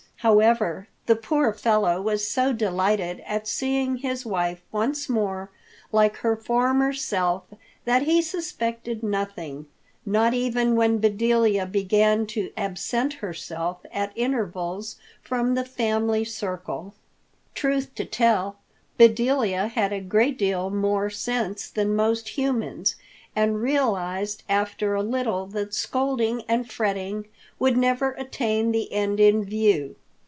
However, the poor fellow was so delighted at seeing his wife once more like her former self that he suspected nothing, not even when Bedelia began to absent herself at intervals from the family circle. Truth to tell, Bedelia had a great deal more sense than most humans and realized after a little that scolding and fretting would never attain the end in view.